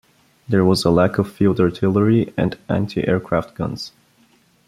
There was a lack of field artillery and anti-aircraft guns.